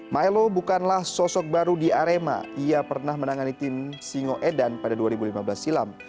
milo bukanlah sosok baru di arema ia pernah menangani tim singoedan pada dua ribu lima belas silam